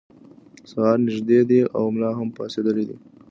سهار نږدې دی او ملا هم پاڅېدلی دی.